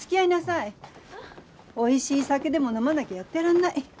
おいしい酒でも飲まなきゃやってらんない。